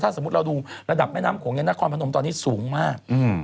สมมุติเราดูระดับแม่น้ำโขงในนครพนมตอนนี้สูงมาก